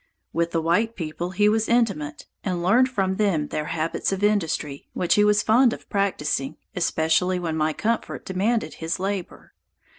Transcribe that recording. With the white people he was intimate, and learned from them their habits of industry, which he was fond of practising, especially when my comfort demanded his labor.